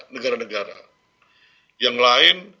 negara negara yang lain